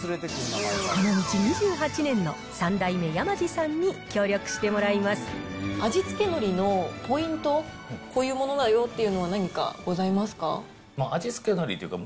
この道２８年の３代目、山路さん味付けのりのポイント、こういうものだよっていうのは何かございますか？